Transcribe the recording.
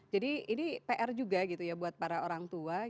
jadi ini pr juga gitu ya buat para orang tua